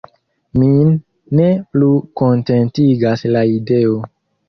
Min ne plu kontentigas la ideo!